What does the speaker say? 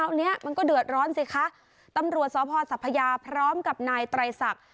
เนี้ยมันก็เดือดร้อนสิคะตำรวจสพสัพยาพร้อมกับนายไตรศักดิ์